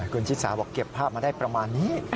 คุณชิสาบอกเก็บภาพมาได้ประมาณนี้